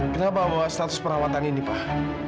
kenapa bawa status perawatan ini pak